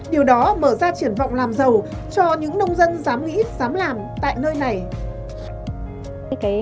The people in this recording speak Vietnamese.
điều đó mở ra triển vọng làm giàu cho những nông dân dám nghĩ dám làm tại nơi này